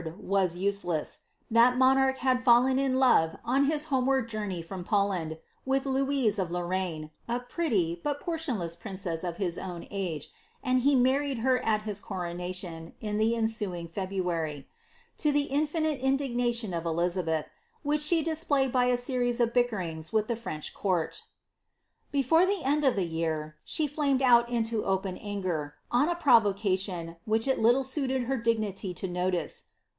was useless, that monarch had fallen lore on his homeward journey from Poland, with Louise of Lorraine, pretty, but portionless princess of his own age, and he married her at 8 coronation, in the ensuing February ; to the infinite indignation of liabeth, which she displayed by a series of bickerings with the Fiench Before the end of the year she flamed out into open anger, on a pro xation which it little suited her dignity to notice.